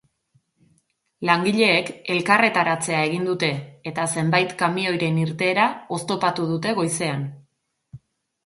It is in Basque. Langileek elkarretaratzea egin dute eta zenbait kamioiren irteera oztopatu dute goizean.